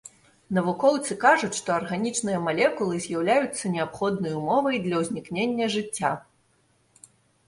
Навукоўцы кажуць, што арганічныя малекулы з'яўляюцца неабходнай умовай для ўзнікнення жыцця.